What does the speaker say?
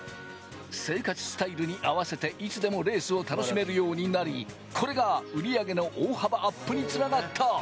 生活スタイルに合わせて、いつでもレースを楽しめるようになり、これが売り上げの大幅アップにつながった。